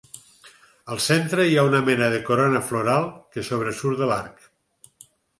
Al centre hi ha una mena de corona floral que sobresurt de l'arc.